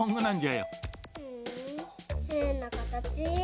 ふんへんなかたち。